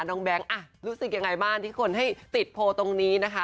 แก๊งรู้สึกยังไงบ้างที่คนให้ติดโพลตรงนี้นะคะ